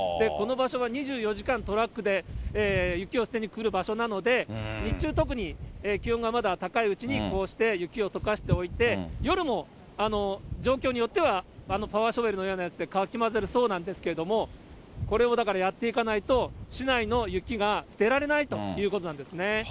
この場所は２４時間トラックで雪を捨てにくる場所なので、日中、特に気温がまだ高いうちに、こうして雪をとかしておいて、夜も状況によってはパワーショベルのようなものでかき混ぜるそうなんですけれども、これをだからやっていかないと、市内の雪が捨てられないということなんですね。